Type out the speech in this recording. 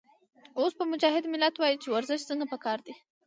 اوس به مجاهد ملت وائي چې ورزش څنګه پکار دے